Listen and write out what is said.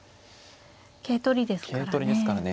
桂取りですからね。